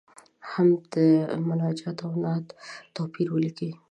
د حمد، مناجات او نعت توپیر ولیکئ.